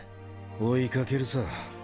追いかけるさ。